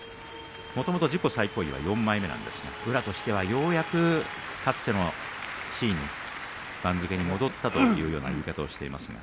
もともと自己最高位は４枚目なんですが宇良としてはようやくかつての番付にも戻ったというような言い方をしていました。